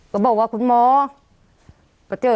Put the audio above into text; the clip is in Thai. ก็บอกว่าคุณหมอมาเจอ